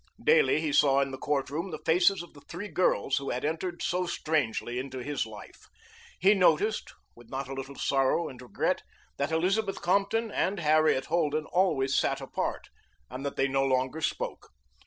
Daily he saw in the court room the faces of the three girls who had entered so strangely into his life. He noticed, with not a little sorrow and regret, that Elizabeth Compton and Harriet Holden always sat apart and that they no longer spoke.